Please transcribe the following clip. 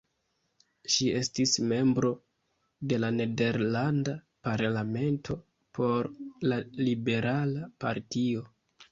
Ŝi estis membro de la nederlanda parlamento por la liberala partio.